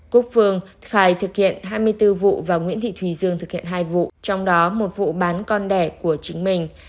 quốc phương khai thực hiện hai mươi bốn vụ và nguyễn thị thùy dương thực hiện hai vụ trong đó một vụ bán con đẻ của chính mình